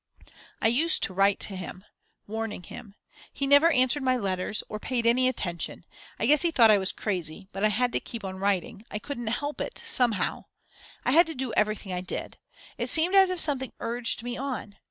I used to write to him, warning him. He never answered my letters, or paid any attention I guess he thought I was crazy; but I had to keep on writing I couldn't help it, somehow. I had to do everything I did. It seemed as if something urged me on.